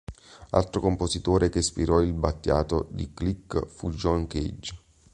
Altro compositore che ispirò il Battiato di "Clic" fu John Cage.